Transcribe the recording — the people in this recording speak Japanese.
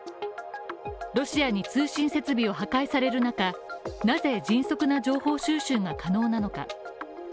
ロシアに通信設備を破壊される中、なぜ迅速な情報収集が可能なのか。